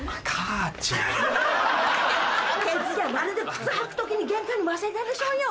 靴履く時に玄関に忘れたでしょうよ。